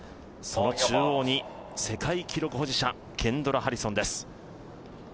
その中央に世界記録保持者ケンドラ・ハリソンです。